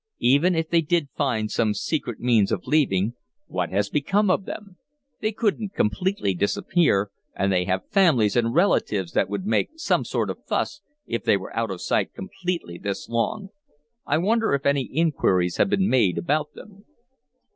Even if they did find some secret means of leaving, what has become of them? They couldn't completely disappear, and they have families and relatives that would make some sort of fuss if they were out of sight completely this long. I wonder if any inquiries have been made about them?"